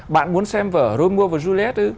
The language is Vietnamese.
bạn muốn xem vở romeo và juliet